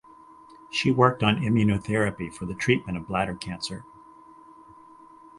She worked on immunotherapy for the treatment of bladder cancer.